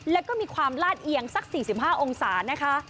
แล้วก็มีความลาดเอียงสัก๔๕องศานะคะ